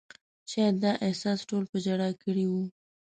شاید دا احساس ټول په ژړا کړي وو.